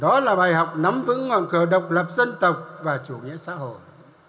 đó là bài học nắm vững ngọn cờ độc lập dân tộc và chủ nghĩa xã hội